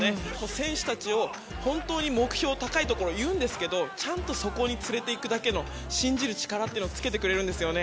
選手たちを、本当に目標高いことを言うんですけどちゃんとそこに連れて行くだけの信じる力をつけてくれるんですよね。